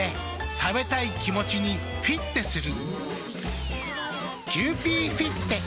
食べたい気持ちにフィッテする。